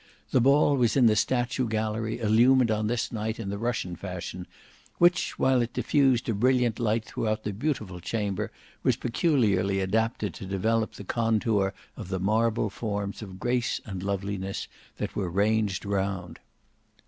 The ball was in the statue gallery illumined on this night in the Russian fashion, which while it diffused a brilliant light throughout the beautiful chamber, was peculiarly adapted to develop the contour of the marble forms of grace and loveliness that were ranged around.